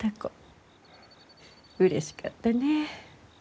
うれしかったねぇ。